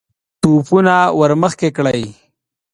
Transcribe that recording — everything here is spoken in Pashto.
توپونه ور مخکې کړئ!